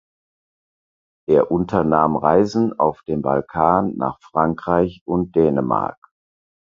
Er unternahm Reisen auf den Balkan nach Frankreich und Dänemark.